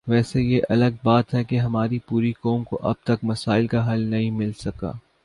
ویسے یہ الگ بات ہے کہ ہماری پوری قوم کو اب تک مسائل کا حل نہیں مل سکا